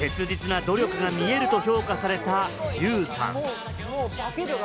切実な努力が見えると評価された、ユウさん。